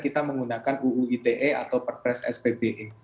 kita menggunakan uu ite atau perpres spbe